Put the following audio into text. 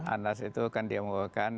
anas itu kan dia mengulangkan